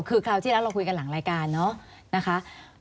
คือคราวที่แล้วเราคุยกันหลังรายการเนาะนะคะ